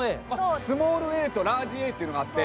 スモールＡとラージＡっていうのがあって。